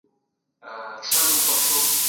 احمد شاه ابدالي څنګه د سیاسي اړیکو پیاوړتیا وکړه؟